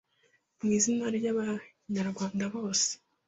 mu izina ry’Abanyarwanda bose,